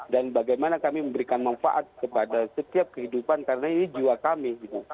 dan bagaimana kami memberikan manfaat kepada setiap kehidupan karena ini jiwa kami